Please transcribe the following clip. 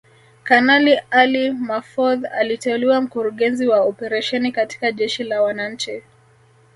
Kanali Ali Mahfoudh aliteuliwa Mkurugenzi wa Operesheni katika Jeshi la Wananchi